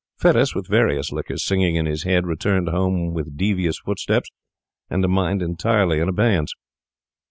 Fettes, with various liquors singing in his head, returned home with devious footsteps and a mind entirely in abeyance.